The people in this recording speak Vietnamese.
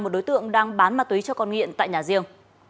một đối tượng đang bán ma túy cho con nghiện tại nhà riêng